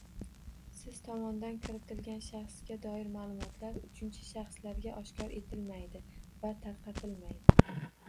Siz tomondan kiritilgan shaxsga doir maʼlumotlar uchinchi shaxslarga oshkor etilmaydi va tarqatilmaydi!